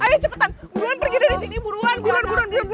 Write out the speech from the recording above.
ayo cepetan buruan pergi dari sini buruan bulan buruan